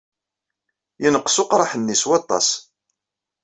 Yenqes uqraḥ-nni s waṭas.